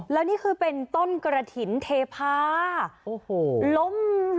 และนี่คือเป็นต้นกระถินเทพาะ